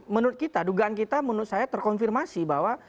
menurut kita dugaan kita menurut saya terkonfirmasi bahwa